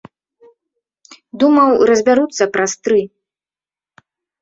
Думаў, разбяруцца праз тры.